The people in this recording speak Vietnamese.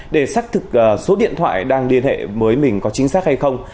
để xác thực số điện thoại đang liên hệ với mình có chính xác hay không